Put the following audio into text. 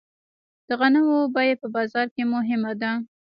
د غنمو بیه په بازار کې مهمه ده.